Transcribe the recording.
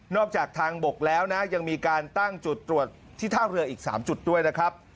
จากทางบกแล้วนะยังมีการตั้งจุดตรวจที่ท่าเรืออีก๓จุดด้วยนะครับ